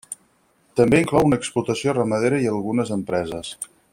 També inclou una explotació ramadera i algunes empreses.